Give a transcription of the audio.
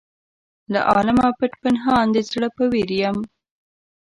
له عالمه پټ پنهان د زړه په ویر یم.